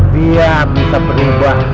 dia bisa berubah